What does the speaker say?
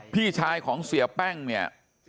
พี่ชายของเสียแป้งเนี่ย